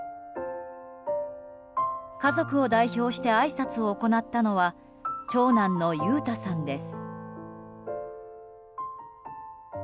家族を代表してあいさつを行ったのは長男の裕太さんです。